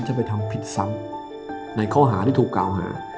จะไปทำผิดซ้ำในข้อหาที่ถูกกล่าวหา